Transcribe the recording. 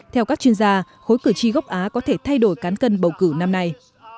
theo các chuyên gia khối cử tri gốc á có thể thay đổi cán cân bầu cử năm nay